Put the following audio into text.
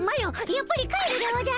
やっぱり帰るでおじゃる。